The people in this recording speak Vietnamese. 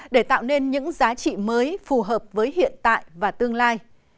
để tạo nên những giá trị mới phù hợp với hiện tại và tương lai